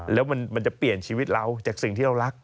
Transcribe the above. แล้วมันจะเปลี่ยนชีวิตเราจากสิ่งที่เรารัก